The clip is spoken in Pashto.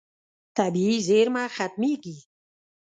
طبیعي زیرمه ختمېږي.